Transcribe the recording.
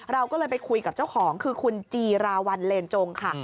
เราก็เลยไปคุยกับเจ้าของคือคุณจีราวัลเลนจงค่ะ